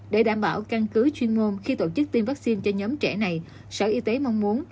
để đảm bảo căn cứ chuyên môn khi tổ chức tiêm vaccine cho nhóm trẻ này sở y tế mong muốn